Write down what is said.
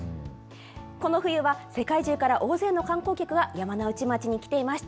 この冬は、世界中から大勢の観光客が山ノ内町に来ていました。